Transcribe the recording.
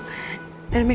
dan mereka juga yakin